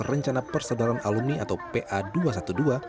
rencana persadaran alumni atau pa dua ratus dua belas